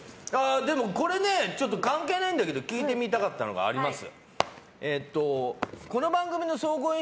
これね、ちょっと関係ないんだけど聞いてみたかったのがあります。